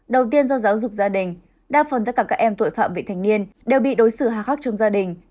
đầu tiên do giáo dục gia đình đa phần tất cả các em tuổi phạm vị thành niên đều bị đối xử hạ khắc trong gia đình